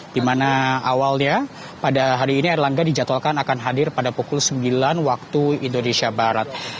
di mana awalnya pada hari ini erlangga dijadwalkan akan hadir pada pukul sembilan waktu indonesia barat